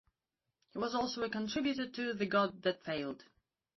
He was also a contributor to "The God That Failed".